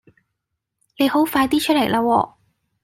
你好快啲出嚟啦喎